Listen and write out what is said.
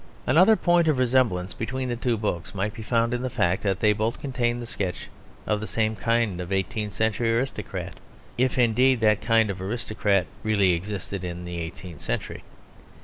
Another point of resemblance between the two books might be found in the fact that they both contain the sketch of the same kind of eighteenth century aristocrat, if indeed that kind of aristocrat really existed in the eighteenth century.